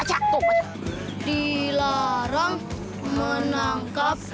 jangan diulangin lagi